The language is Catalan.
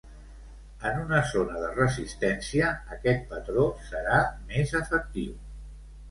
En una zona de resistència, aquest patró serà més efectiu.